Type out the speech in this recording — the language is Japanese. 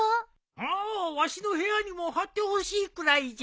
ああわしの部屋にも貼ってほしいくらいじゃ。